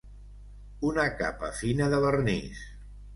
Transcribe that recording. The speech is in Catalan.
Una capa fina de vernís.